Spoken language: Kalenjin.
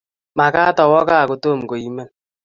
Magat awo kaa kotom koimen